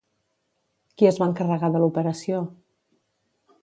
Qui es va encarregar de l'operació?